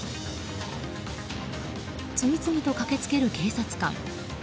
次々と駆け付ける警察官。